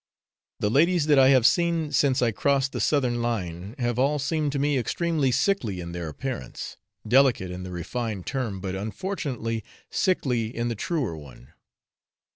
The ladies that I have seen since I crossed the southern line, have all seemed to me extremely sickly in their appearance delicate in the refined term, but unfortunately sickly in the truer one.